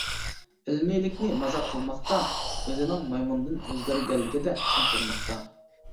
ئىلمىيلىكنى مازاق قىلماقتا، ئۆزىنىڭ مايمۇندىن ئۆزگەرگەنلىكىدە چىڭ تۇرماقتا.